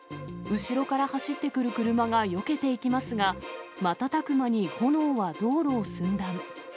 後ろから走ってくる車がよけていきますが、瞬く間に炎は道路を寸断。